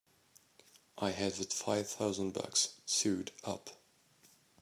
I had that five thousand bucks sewed up!